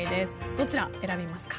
どちら選びますか？